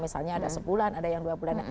misalnya ada sebulan ada yang dua bulan